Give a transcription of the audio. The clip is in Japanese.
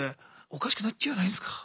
おかしくなっちゃわないですか？